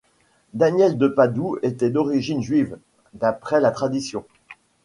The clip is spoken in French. Daniel de Padoue était d'origine juive, d'après la tradition.